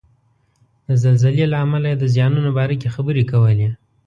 د زلزلې له امله یې د زیانونو باره کې خبرې کولې.